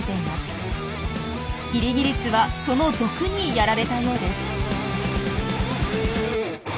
キリギリスはその毒にやられたようです。